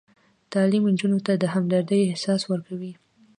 تعلیم نجونو ته د همدردۍ احساس ورکوي.